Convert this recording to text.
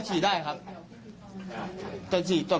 ใช่ครับใช่ครับ